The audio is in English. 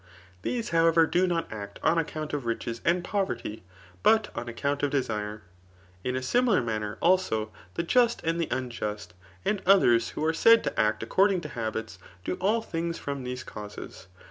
These, however, do not act on account of riches and poverty, but on account of desire. In a similar nuuuw, aho, the fust and the unjust, and ethers who are said to act according to habits, do all things from these causes.